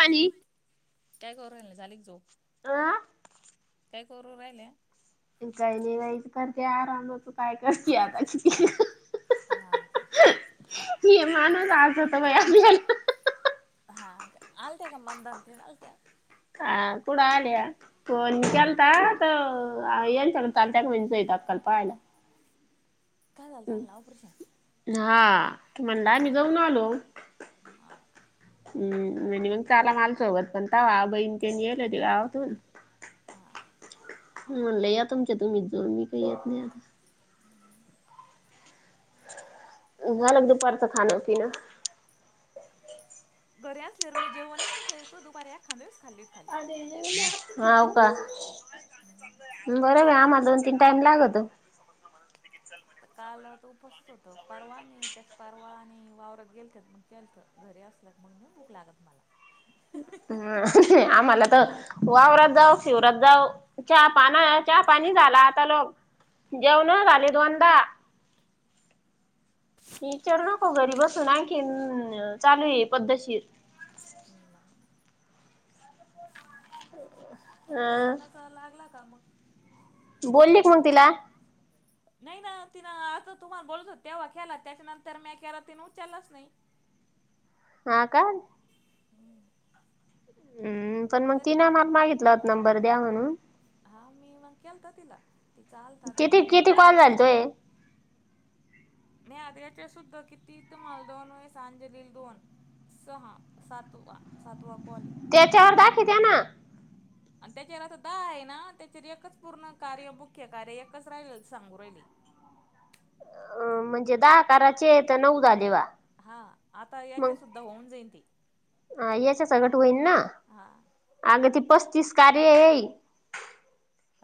पाणी. काय करू राहिल्या झाली का झोप अ काय करू राहिल्या? काही नाही बाई करते आराम होत काय करते आता किती. हा का. हि माणूस आसत बाया आपल्याला हा का आलते का मंदा आत्या आलत्या. अ कुड आलया फोन हा. केलता तर याच्या चलत्याका म्हणे सविता आकाले. पाला [inaudible] काय झाल त त्यांना ऑपरेशन? हा म्हणला हा. आम्ही जाऊन आलो. [inaudible] हम्म मुलांसोबत पण त बहीण येल होते गावातून. आ [inaudible] म्हणलं या तुमच्या तुम्हीच जाऊन मी काही येत नाही आता झाला ग दुपार च खाान पिन? घरी असल्यावर मी जेवणच नाही करिती एक खांद्या वेळेस खाल्ली हा व का हम्म. बर आम्हाला दोन, तीन टाईम लागतो. आता काल उपासच होत परवा नाही त्याच परवा आणि वावरात गेल मग केल तर घरी घरी आल्यावर भूक नाही लागत मला. ह्म आम्हाला तर वावरात जाऊ शिवरात जाऊ चहा, पाना चहा, पाणी झाला आता लोक जेवण झाले दोनदा विचारू नको घरी बसून आणखीन चालू आहे पद्धशीर. नाही ना. [inaudible] सणाचा लागला का मग. बोलली का मग तीला? नाही ना तिन आता तुम्हाला बोलत हो तेव्हा केला त्याच्या नंतर म्या केला तर तिने उचललाच नाही‌. [inaudible] हा का. हम्म [inaudible] हम्म पण मग ति ना मला मागितलं होत नंबर द्या म्हणून. हा मी मग केलता तिला. ती चालत आता कितीे मग किती कॉल झालते. मी आद्रच्या सुद्धा किती तुम्हाला दोनवेळेस अंजलीला दोन. सहा सातवा. सातवा कॉल आहे त्याच्यावर दाखवित्या ना आणि त्याच्यावर आता दहा आहे ना त्याच्या एकच पूर्ण कार्य मुख्य कार्य एकच राहिले सांगू राहिल. [inaudible] अ म्हणजे दहा काराचे तर नऊ झालेबा हा आता याच्या सुद्धा होन जाइन ते‌. अ याच्या स गट होईन ना हा अग ते पस तीस कार्य हें.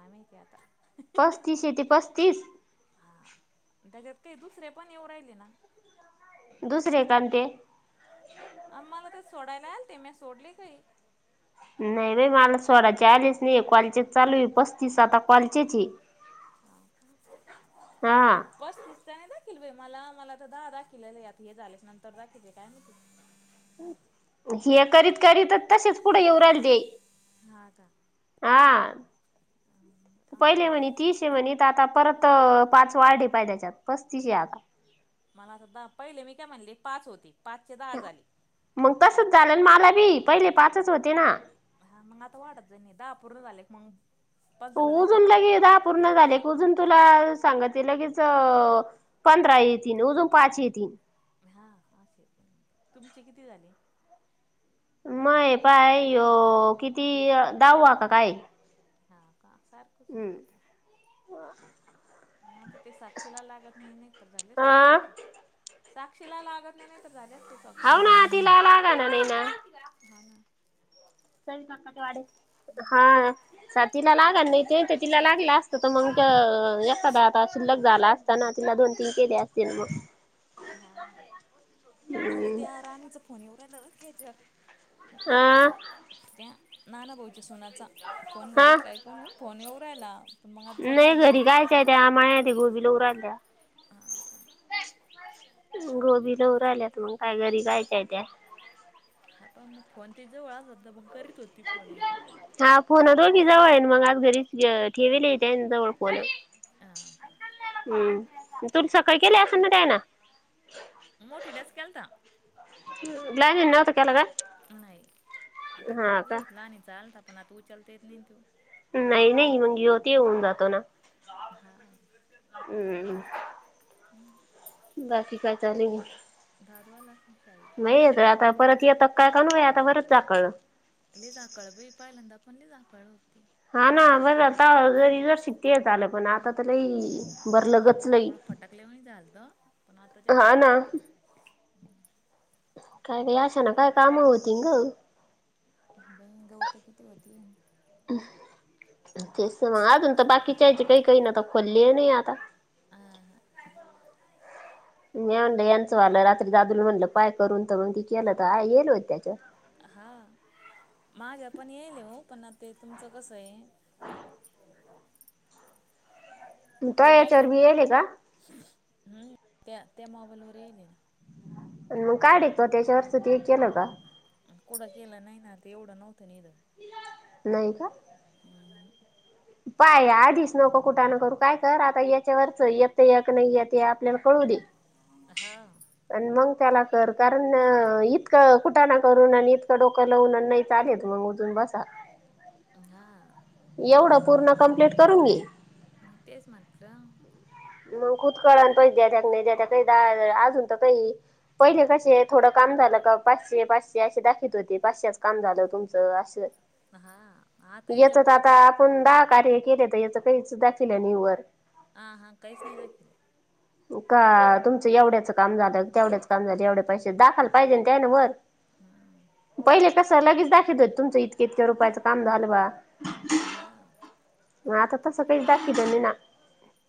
[inaudible] पस्तीसे ते पस्तीस. ते दुसरे पण येव राहिले ना. दुसर कारते आम्हाला तर सोडायला आल ते म्या सोडले काही. नाही बाई मला सोळा चे आलेच नाही क्वालचे चालू पस्तीस आता क्वालचेच आहे [inaudible] हा मला मला तर दहा दाखलेले, आता हे झालेस नंतर दाखितले काय माहिती हे करीत करीतच तसेच, पुढे येऊ राल दे हा का, ह पहिले म्हने, तीेस हें म्हने, आता परत पाच वाळ ढिपाय त्याच्यात, पस्तीसशे आता मला असध पहिले मी, काय म्हणली पाच होती. मग तसच झालं मला बी पहिले पाचच होते ना. हा मग आता वाढत जा नाही, दहा अपूर्ण झाले मग, पंधरा उजून दाखिवतील. लगे दहा पूर्ण झाले उजून तुला सांगत ल लगेच पंधरा येते अजून पाच ये तीन हा तुमचे किती झाले? मय पायो किती दहाव आता काय, हम्म [unintelligible] ते साक्षीला लागत नाही नाहीतर झाला असता सात हा फोन, साक्षीला लागत नाही नाहीतर, [inaudible] होउ ना तिला लाग ना नाही ना, हा ना. [inaudible] हा तिला लागल नाही, ते तिला लागलं असत तर मंग एखादा आता शिल्लक झाला असताना, तिला दोन तीन केले असतील मग हा आता हम्म त्या राणीच फोनीवर राला घ्याच्यावर हं ना ना भाऊच्या सुनाचा फोन घरी हा कायकणू फोन येव रायला मग आत बोल नाही हुवसतर घरी गायच्या त्या माळ्या ते गोबीला उरायल्या. [unintelligible] गोबी लव राआल्यात, मग काय घरी जायचं त्या, हा मग फोन दे जवळ असलं तर मग, करीत होती फोन आज हा फोनात दोन्ही जवळ आहे मग घरी, [unintelligible] ठेवी ल त्या जवळ फोन, हा हम्म तुम्ही सकाळी केल्या असेल ना त्यांना? मोठिनेच केलता [unintelligible] ग्लायनीन नव्हता केला का? नाही आता हा कर्ज का होतला आणि चालता पण आता उचलता येत नाही तू नाही नाही मगी होती होऊन जातो ना हा, हम्म बाकी काय चाले, दादू आला असेल शाळेतून नाहीेत आता परत येत काय काण आता परच चाकळ लईच आकाळ बाई पहिल्यांदा नाही [unintelligible] आला होता, हा ना बरं आता जर शिक ते झा, आलं पण आता तर लई हा भरलं आता गच लई थोडं फटकलेवन झालत पण आता हा जास्तच ना आहे काय का अशा ना काय काम होती ग [unintelligible] किती होती, तेच मग अजून तर बाकीच्याचे, काही काही नाता खोलले नाही आता [unintelligible] आ हा मी म्हणलं यांचं वालं रात्री दादूला म्हणलं पाय करून तर त केलं तर येल हो त्याच्यात, हा माझ्या पण येईल हो पण, आ ते तुमचं कस आहे. तू ते वर्ष याच्यावर बी आहे का? हम्म त्या त्या मोबाईल वर येल ना. काडीत वा त्याच्या वरती केलं का, कुडं केलं नाही, ना ते एवढं नव्हतं निध. नाही का. हम्म पाय आधीच नको, कुठं न करू काय कर आता, याच्यावरच येत य क नाही, येत आपल्याला कळू दे. हा. प मग त्याला कर कारण इतकं कुठा ना करून, आणि इतकं डोकं लावून नाही चा. घेत मग उजून बसा. हा. एवढं पूर्ण कम्प्लीट करून घी. विटश मपला. मग खुदकळ पै द्या त्या नाही, द त्या काही अजून तर काही पहिले कसे थोडं काम झालं. पाचशे पाचशे असशी दाखत होती, पाचशेच काम झालं तुमचं असं. हा आाता या याचच चारता आता का. आपण दहा कार्य केले तर याच काहीच दाखल आहे आणि वर. हा हा काहीच नाही दाखलं. का तुमचं एवढ्याच काम झालं, तेवढ्याच काम झालं एवढे पैसे दाखयला पाहिजे त्या ना वर. हम्म पहिले कस लगेच दाखवत हो, तुमचं इतक्या इतक्या रुपयाचं काम झालं बा. हा हता तसं काहीच दाखी दे म ना.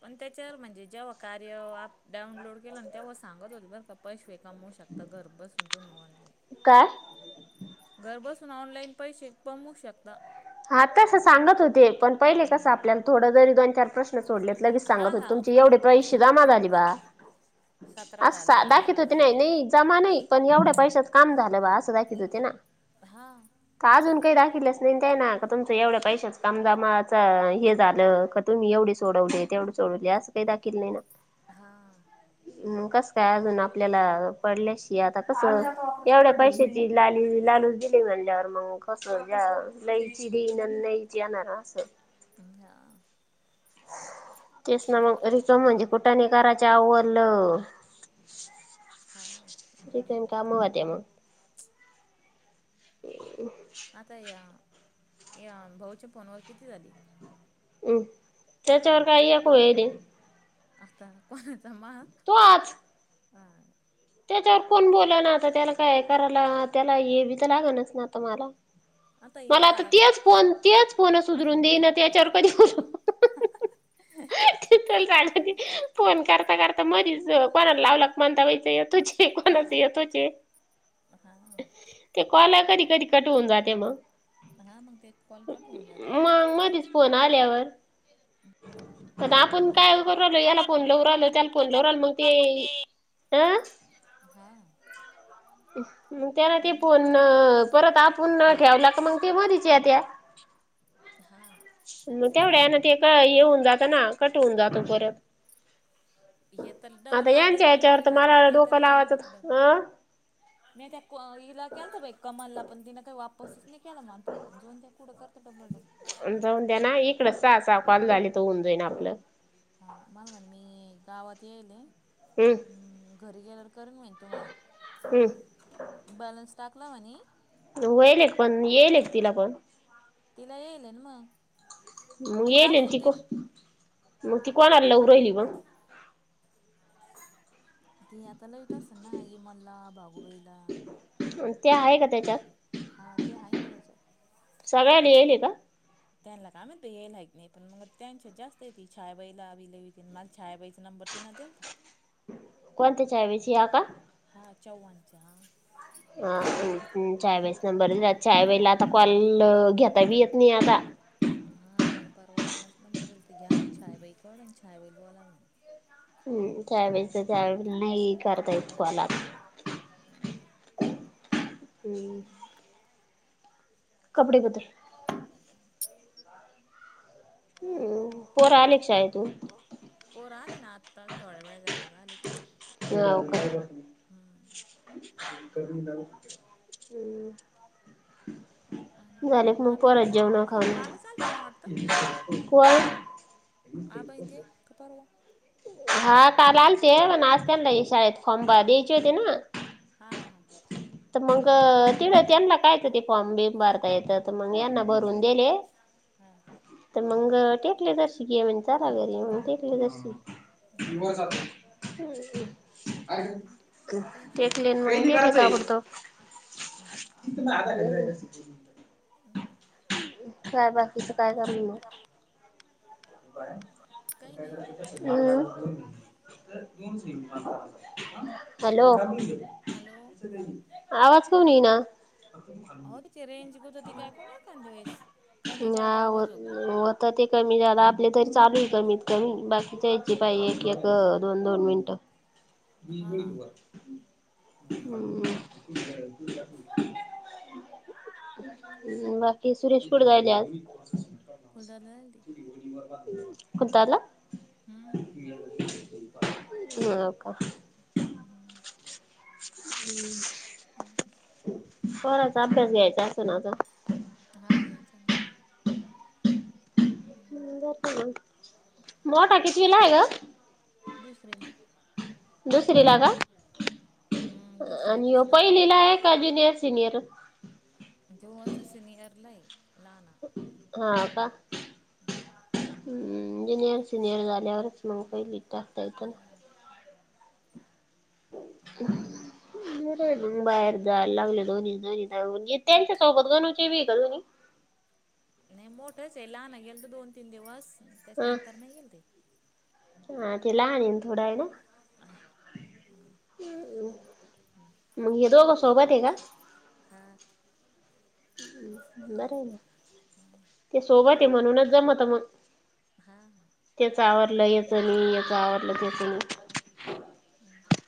पण त्याच्यावर म्हणजे जेव्हा कार्य अ डाऊनलोड केलं तेव्हा सांगत होते बर का पैश व कामव शकता घर बसूनंतून मारले. काय. बसून ऑनलाईन पैसे बमू शकता. हा तस सांगत होते पण पहिले कसं, हम्म. आपल्याला थोड जरी दोन चार प्रश्न. सोडलेत लगेच हा सांगत हा होत, तुमचे एवढे पैसे जमा झाली बा. सतरा अस झाले दाखत अठरा होते नाही झाले नाही, जमा नाही पण एवढ्या पैशा काम झालं बा अस दाखत होते, ना हा अजून काही दाखलेच नाही. ते ना का तुमं एवढ्या पैशच कमजामां हे, झालं का तुम्ही एवढे सोडवले तेवढे सोडवले. असं काही दाखल नाही ना. हा हम् कस काय अजून आपल्याला पडल्याशी आता, कसं एवढ्या पैशाची लाली ला चालू दिली म्हणल्यावर मग कसं, लयची देईन लयची येणार असं. हा. तेच ना शक मग रिकम म्हणजे कुठाने करायच आवरवरलं. हा ठीक आहे कामवा ते मग. ह. आता या या भाऊच्या फोनवर किती झाली. त्याच्यावर काय याकय रे. आता कोणाचा मा आज हा त्याच्यावर कोण बोला ना आता, त्याला काय करायला, त्याला हे बी तर लागनच ना आता मला. येऊ मला आता झाला तेच फोन तेच. फोन उधरून देई ना त्याच्यावर कधी. ह. फोन करता करता, मधीच कोणाला लावला, म्हणता वईचं तुझी. तेकणस येत होचे. हा. कधी कधी कट होऊन जाते मग. हा. मग ते कॉल कट होऊन जाते. मग आता आपण कायभ राहिलो, याला फोनला लाउ रालो त्याला फोन लाउ रालो मग ते आ. हा. त्याला ते पोण - - परत आपण न ठेवला का मग ते मधीच येत्या. हा तेवढ्या ना ते येऊन जातं ना. कट होन जातो परत. हे तर डबल आता लावता यांच्या याच्यावर तर जात ना. मला ते तर डोकं लावले लावायचं जाते डबल. अ मी त्या हिला केल तर बा कमलला पण तिन काही वापसच नाही केला म फोन जाऊन त्या कुडं करत - जाऊन द्या ना. इकडच स साकाल झाले तो उऊं जाईन आपलं. हा. मला म्हणे मी गावात येईल. हम्. घरी गेल्यावर करेन मी तुम्हाला हम्म बॅलन्स टाकला म्हणे. होईल एक पण येईल एक तिला पण. तिला येईल ना मग. मग येईल ती को मग ती कोणा लव राहिली मग. त आता लवतस ना. यमनला, भागुबाईला. ते आहे का त्याच्यात? हा ते आहे ना त्याच्यात. सगळ्याला येईल का त्यांना का आमही तर यायलाही नाही पण मग त्यांच्या जास्त येत छायाबाईला विती मला छयाबाईचं परती ना तेन - - कोणते्या चायवेची आ का? ह चवव्हाणचा ह हा चय वळेचा नंबरच चय वेळेला आता कॉल घेता बी येत नाही आता. हा मला परवातीनाच नंबरईल तर घ्या म्हणजे छयाबाई कड छायाबाई बोला म्हणे. हम्म. त्यावेेळेस तर त्यावेळे नाही करता येत कॉल आप- - हा हम्. कपडे कतर हम्म. पोर आले शाळेतून. आ थोडे वेळ झाले ना आले ते. हव का. हम्म हम्. आणि झाले मग आबाईन ते परत तुम्हाला जेवण भेटला खाऊ कालच आलते ना पर - - आ बई ते कपरवा हा का आलते पण अस त्या शाळेत फॉमबा द्यायची होती ना. हा, हा, हा, हा. तर मग तिथे त्यांना कायच ते फॉम बि भरता येतं तर मग यांना भरवून दिले. हम्म. तर मग टेकले तशी ग म्हज चला घरी मग टेकले तशी. हा. त्यांची तेले पेरलीच ना मडतो सोयाबीन काय बिबीन. बोलतो. हम्म. तु आधा घ हम्म. काय बाकीचं काय कर म काही नाही. [unintelligible] [inaudible] हॅलो. हॅलो. आवाज कऊणी ईना? अहो त्याची रेंज गुतती काय कोण एखांद्या वेळेस कमी ना जादा होत. आवाज होतो. होतयं. ते कमी झाला. आपले तरी च चालूल कमीत कमी बाकीच्यायची पाहिजे एक एक दोन दोन मिनट. हा [unintelligible] हम. बाकी सुरेशपुर जायले आज कुलरलाडी हम्म कुंतला [unintelligible] हम्म. ह् हम्म हम्म. पोरांचा अभ्यास घ्यायचा असतो ना माझा. हा ग्याचाना. मोठा कितीवीला ये ग? दुसरेला. दुसरी ला का? हम्म दुसरी आणि हो दुसरीला गेला पहिलीला आहे का ज्युनियर सिनियर? तो असं सिनियरला आहे लहाना. हा का? हम्म. जुनियर सिनियर झाल्यावरच मग पहिलित टाकता येतं ना.... हा [unintelligible] बरे मग बाहेर जायला लागले, दोनच दो् त्यांच्या सोबत गणूची भी आहे का दोनी? [unintelligible] मोठच आहे लहान गेल तर दोन तीन दिवस त्याच्यानंतर नाही येईल ते, तिला हा... थोडा आहे ना मग ह्या दोघासनी.... सोबत आहे का? हा! बरं आहे ना! ते सोबत आहे म्हणूनच जमत मग, हा त्याच आवरलं याच नाही, याच आवडलं त्याच नाही, बब [unintelligible]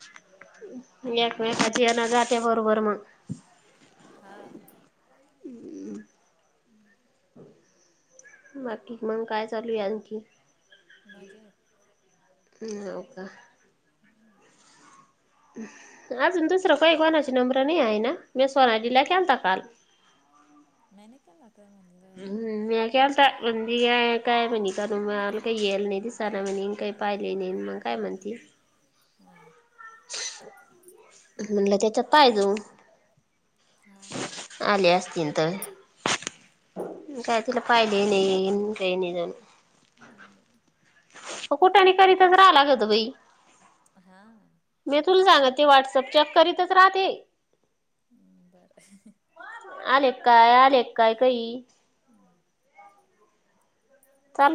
एक वेळ जेन जाते बरोबर म्हणून... हा हम्म! बाकी मग काय चालू आहे आणखी? मजेत! ह् होव का [unintelligible] हम्! अजून दुसरं काही कोणाची नंबर नाही आहे ना मी सोनालिला केलता काल... मी नाही केला का म्हटलं हम् म काता म्हणध का काय म्हनी. तर मग आला काही येल नाही, दिसाना म्ह काही पाहिले नाही मग काय म्हणती. हा म्हणलं त्याच्यात पाय तू हा आले त तर काय तिला पाहिले नाही. हम्! कुठाने करीताच राहालाग होत बई, हा. मी तुला सांगा ते व्हॉट्सअप चेक करीतच राहते. बरं [unintelligible] अलेक काय, अलेक काय काही हम्म [unintelligible]